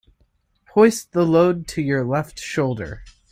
Hoist the load to your left shoulder.